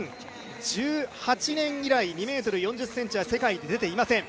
２０１８年以来、２ｍ４０ｃｍは世界で出ていません。